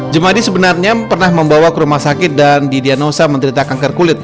jemadi sebenarnya pernah membawa ke rumah sakit dan didiagnosa menderita kanker kulit